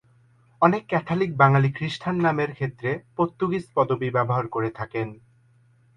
অনেক ক্যাথলিক বাঙালি খ্রিস্টান নামের ক্ষেত্রে পর্তুগিজ পদবি ব্যবহার করে থাকেন।